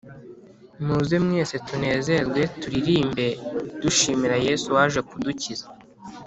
Muze mwese tunezerwe turirimbe dushimira Yesu waje kudukiza.